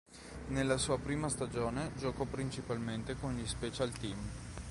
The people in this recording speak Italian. Nella sua prima stagione giocò principalmente con gli special team.